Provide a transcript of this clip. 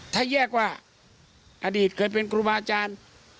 ถ้าแยกว่าอดีตเคยเป็นครูบาอาจารย์